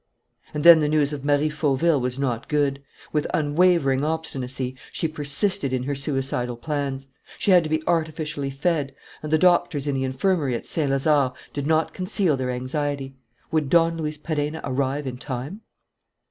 And then the news of Marie Fauville was not good. With unwavering obstinacy she persisted in her suicidal plans. She had to be artificially fed; and the doctors in the infirmary at Saint Lazare did not conceal their anxiety. Would Don Luis Perenna arrive in time?